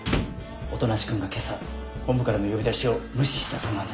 音無君がけさ本部からの呼び出しを無視したそうなんだ。